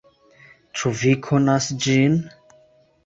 Ĉu vi konas ĝin?